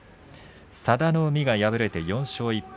佐田の海、敗れました４勝１敗。